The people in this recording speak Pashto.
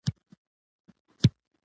نثار احمدي له څښلو انکار وکړ.